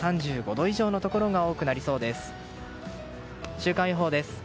週間予報です。